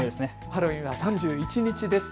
ハロウィーンは３１日です。